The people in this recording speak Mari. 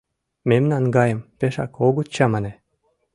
Мемнан гайым пешак огыт чамане.